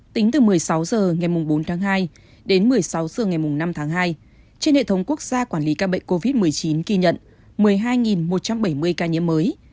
tính từ một mươi sáu h ngày bốn tháng hai đến một mươi sáu h ngày năm tháng hai trên hệ thống quốc gia quản lý ca bệnh covid một mươi chín ghi nhận một mươi hai một trăm bảy mươi ca nhiễm mới